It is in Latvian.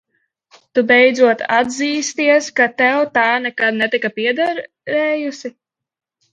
Tu beidzot atzīsties, ka tev tā nekad netika piederējusi?